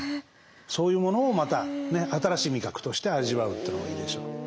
そういうものをまた新しい味覚として味わうというのもいいでしょう。